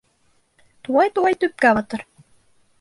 Тулай-тулай төпкә батыр